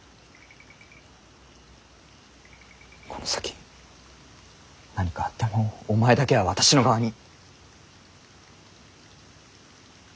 この先何かあってもお前だけは私の側に。